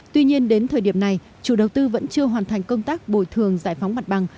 tuy nhiên đến thời điểm này chủ đầu tư vẫn chưa hoàn thành công tác bồi thường giải phóng mặt bằng